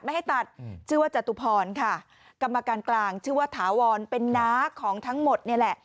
ให้ตัดชื่อว่าจตุพรค่ะกรรมการกลางชื่อว่าถาวรเป็นน้าของทั้งหมดนี่แหละ